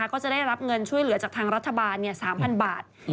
ก็จะได้รับเงินช่วยเหลือจากทางรัฐบาล๓๐๐บาท